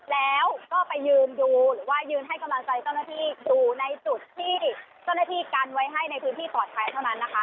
แล้วก็ไปยืนดูหรือว่ายืนให้กำลังใจเจ้าหน้าที่อยู่ในจุดที่เจ้าหน้าที่กันไว้ให้ในพื้นที่ปลอดภัยเท่านั้นนะคะ